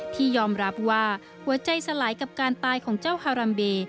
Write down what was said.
ที่ยอมรับว่าหัวใจสลายกับการตายของเจ้าฮารัมเบ